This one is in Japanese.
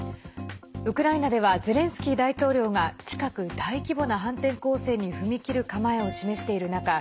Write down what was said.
ウクライナではゼレンスキー大統領が近く大規模な反転攻勢に踏み切る構えを示している中